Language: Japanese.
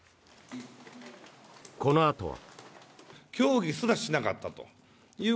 このあとは。